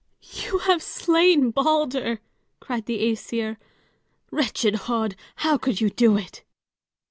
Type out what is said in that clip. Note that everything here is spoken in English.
"You have slain Balder!" cried the Æsir. "Wretched Höd, how could you do it?"